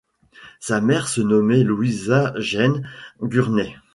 Sa mère se nommait Louisa Jane Gurney.